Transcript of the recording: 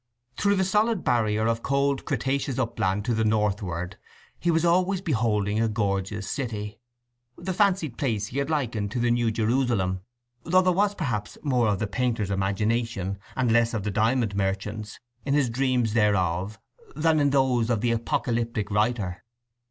Through the solid barrier of cold cretaceous upland to the northward he was always beholding a gorgeous city—the fancied place he had likened to the new Jerusalem, though there was perhaps more of the painter's imagination and less of the diamond merchant's in his dreams thereof than in those of the Apocalyptic writer.